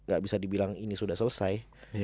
gak bisa dibilang ini sudah selesai